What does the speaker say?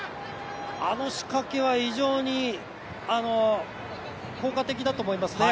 あの仕掛けは非常に効果的だと思いますね。